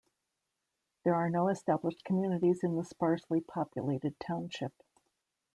There are no established communities in the sparsely populated township.